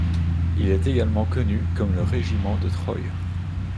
Il est également connu comme le régiment de Troy.